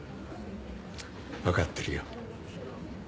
分かってるよ。